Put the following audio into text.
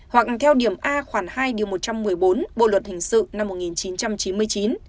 hoặc theo điểm a khoảng hai điều một trăm một mươi bốn bộ luật hình sự